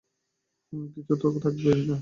হুম, কিছু তো থাকবেই না।